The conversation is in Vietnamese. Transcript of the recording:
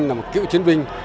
là một cựu chiến binh